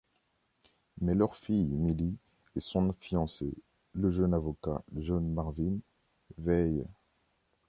Mais leur fille Millie et son fiancé, le jeune avocat John Marvin, veillent…